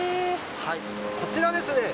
はいこちらですね